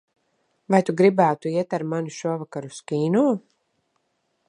Vai tu gribētu iet ar mani šovakar uz kino?